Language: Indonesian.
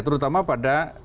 terutama pada pemerintah